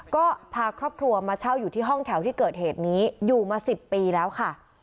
ก็พาครอบครัวมาเช่าอยู่ที่ห้องแถวที่เกิดเหตุนี้อยู่มา๑๐ปีแล้วค่ะ